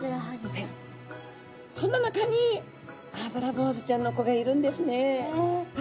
そんな中にアブラボウズちゃんの子がいるんですね。